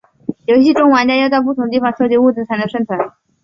游戏中玩家要到不同地方搜集物资才能生存。